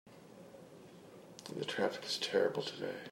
The traffic is terrible today.